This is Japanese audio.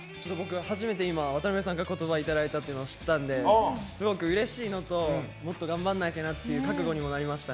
今、初めて、渡辺さんからメッセージをいただいたのを知ったのですごくうれしいのともっと頑張らなきゃなっていう覚悟になりましたね。